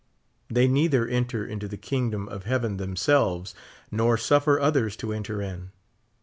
They neither enter into the kingdom of heaven themselves nor suffer others to enter in.